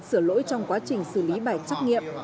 sửa lỗi trong quá trình xử lý bài trắc nghiệm